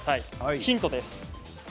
ヒントです。